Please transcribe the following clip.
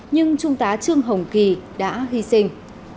nhưng trung tá trương hồng kỳ đã hy sinh